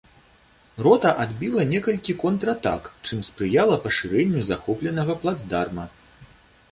Рота адбіла некалькі контратак, чым спрыяла пашырэнню захопленага плацдарма.